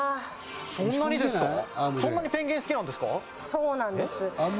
そうなんです。